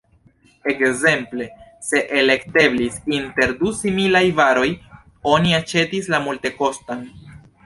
Ekzemple, se elekteblis inter du similaj varoj, oni aĉetis la multekostan.